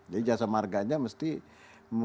jadi jasa marganya mesti memandang ini seperti ini ya